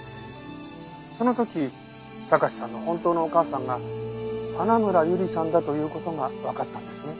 その時貴史さんの本当のお母さんが花村友梨さんだという事がわかったんですね。